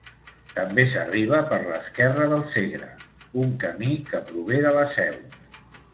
També s'arriba, per l'esquerra del Segre, un camí que prové de la Seu.